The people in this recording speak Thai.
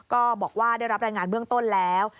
ก็บอกว่าได้รับรายงานเบื้องต้นแล้ว